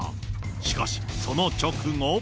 しかしその直後。